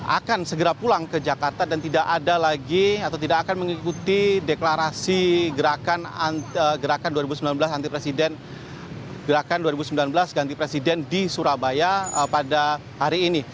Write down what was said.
akan segera pulang ke jakarta dan tidak ada lagi atau tidak akan mengikuti deklarasi gerakan dua ribu sembilan belas anti presiden di surabaya pada hari ini